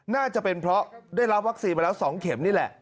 น่าจะเป็นเพราะได้รับวัคซีนมาแล้ว๒เข็มนี่แหละ